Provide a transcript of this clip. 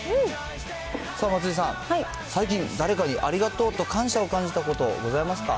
松井さん、最近、誰かにありがとうと感謝を感じたことございますか。